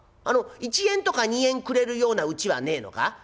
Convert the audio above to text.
あの１円とか２円くれるようなうちはねえのか？」。